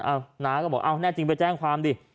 น้าก็บอกเอาแน่จริงไปแจ้งความดิ